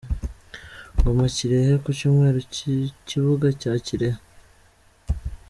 Ngoma-Kirehe : Ku cyumweru ku kibuga cya Kirehe.